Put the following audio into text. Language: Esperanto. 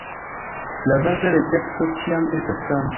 La baza recepto ĉiam estas sama.